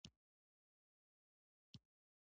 د قزاقستان غنم وارد کیږي.